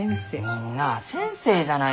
みんなあ先生じゃないですか！